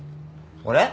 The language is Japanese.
俺？